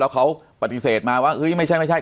แล้วเขาปฏิเสธมาว่าไม่ใช่ไม่ใช่